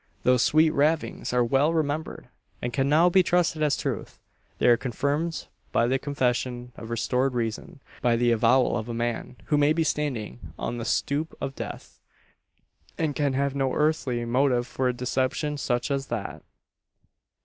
Those sweet ravings are well remembered, and can now be trusted as truth. They are confirmed by the confession of restored reason by the avowal of a man who may be standing on the stoup of death, and can have no earthly motive for a deception such as that!